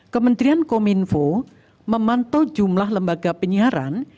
kementerian kominfo memantau jumlah lembaga penyiaran